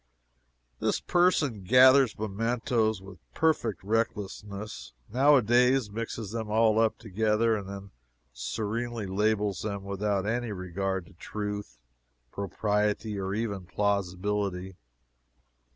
] This person gathers mementoes with a perfect recklessness, now a days; mixes them all up together, and then serenely labels them without any regard to truth, propriety, or even plausibility.